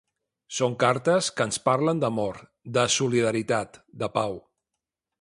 Són cartes que ens parlen d’amor, de solidaritat, de pau.